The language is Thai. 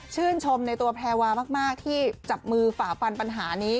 ชื่นชมในตัวแพรวามากที่จับมือฝ่าฟันปัญหานี้